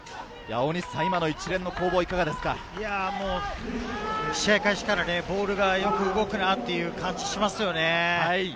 今の一連の攻防、試合開始からボールがよく動くなという感じがしますよね。